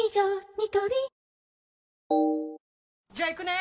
ニトリじゃあ行くね！